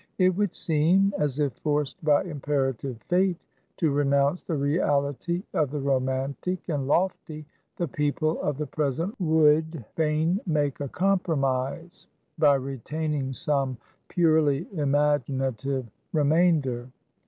It would seem, as if forced by imperative Fate to renounce the reality of the romantic and lofty, the people of the present would fain make a compromise by retaining some purely imaginative remainder.